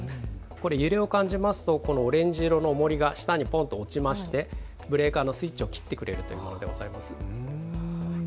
揺れを感じますとこのオレンジのおもりが下に落ちましてブレーカーのスイッチを切ってくれるというものです。